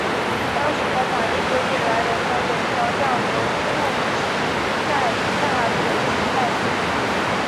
当时的法律规定男人的泳装要由肚脐盖大腿膝盖处。